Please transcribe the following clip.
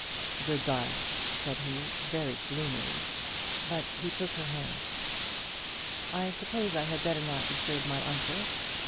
"Good bye," said he, very gloomily; but he took her hand. "I suppose I had better not disturb my uncle.